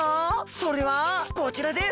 それはこちらです！